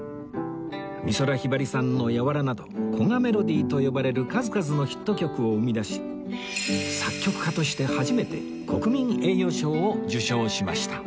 美空ひばりさんの『柔』など古賀メロディと呼ばれる数々のヒット曲を生み出し作曲家として初めて国民栄誉賞を受賞しました